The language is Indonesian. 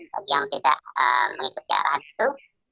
bagi yang tidak mengikut ke arahan itu